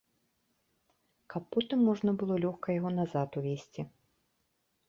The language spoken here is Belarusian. Каб потым можна было лёгка яго назад увезці.